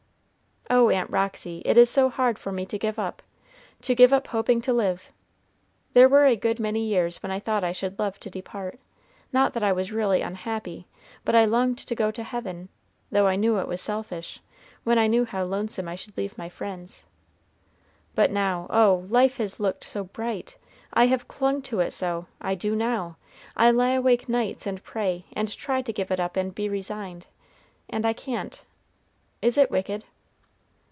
"Oh, Aunt Roxy, it is so hard for me to give up, to give up hoping to live. There were a good many years when I thought I should love to depart, not that I was really unhappy, but I longed to go to heaven, though I knew it was selfish, when I knew how lonesome I should leave my friends. But now, oh, life has looked so bright; I have clung to it so; I do now. I lie awake nights and pray, and try to give it up and be resigned, and I can't. Is it wicked?"